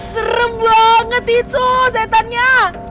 serem banget itu setannya